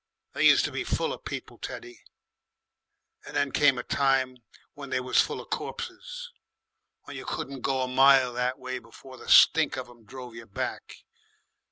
They used to be full of people, Teddy, and then came a time when they was full of corpses, when you couldn't go a mile that way before the stink of 'em drove you back.